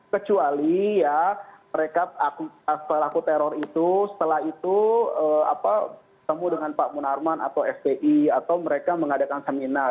kecuali ya mereka selaku teror itu setelah itu apa temu dengan pak munarman atau fdi atau mereka mengadakan seminar